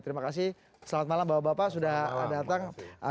terima kasih selamat malam bapak bapak sudah datang